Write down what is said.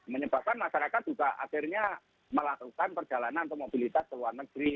menyebabkan masyarakat juga akhirnya melakukan perjalanan atau mobilitas ke luar negeri